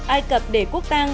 ai cập để quốc tang